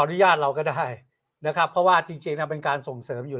อนุญาตเราก็ได้นะครับเพราะว่าจริงเป็นการส่งเสริมอยู่